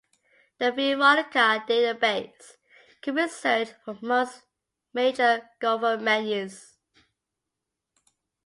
The Veronica database could be searched from most major Gopher menus.